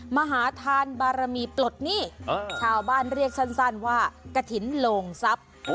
มหาทานบารมีปลดหนี้ชาวบ้านเรียกสั้นว่ากระถิ่นโลงทรัพย์